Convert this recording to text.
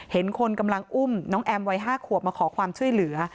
เห็นคนกำลังอุ้มน้องแอมวัย๕ขวบมาขอความช่วยเหลือ